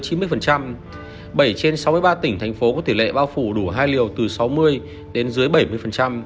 bảy trên sáu mươi ba tỉnh thành phố có tỷ lệ bao phủ đủ hai liều từ sáu mươi đến dưới bảy mươi